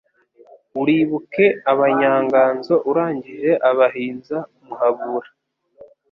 Uribuke Abanyanganzo Urangije abahinza Muhabura,